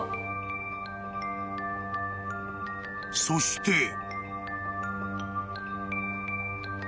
［そして］